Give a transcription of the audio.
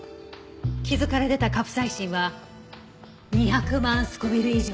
傷から出たカプサイシンは２００万スコヴィル以上。